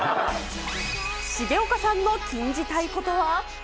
重岡さんの禁じたいことは。